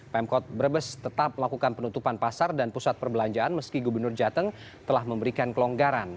pemkot brebes tetap melakukan penutupan pasar dan pusat perbelanjaan meski gubernur jateng telah memberikan kelonggaran